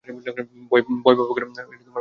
ভয় পাবো কেন?